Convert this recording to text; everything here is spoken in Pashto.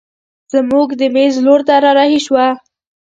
زموږ د مېز لور ته رارهي شوه.